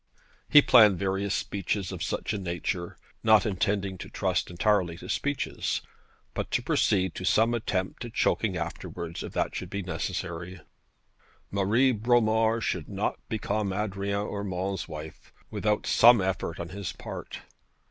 He planned various speeches of such a nature not intending to trust entirely to speeches, but to proceed to some attempt at choking afterwards if it should be necessary. Marie Bromar should not become Adrian Urmand's wife without some effort on his part.